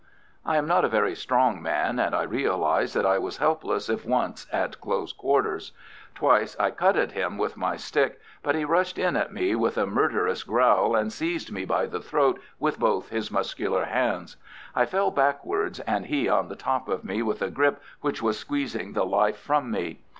I am not a very strong man, and I realized that I was helpless if once at close quarters. Twice I cut at him with my stick, but he rushed in at me with a murderous growl, and seized me by the throat with both his muscular hands. I fell backwards and he on the top of me, with a grip which was squeezing the life from me.